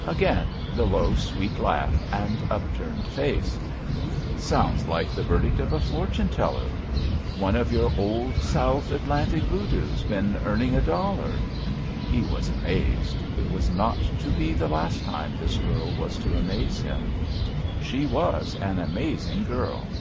Again the low, sweet laugh and upturned face: "Sounds like the verdict of a fortune teller. One of your old South Atlantic voodoos been earning a dollar?" He was amazed. It was not to be the last time this girl was to amaze him. She was an amazing girl.